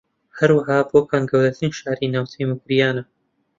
ھەروەھا بۆکان گەورەترین شاری ناوچەی موکریانە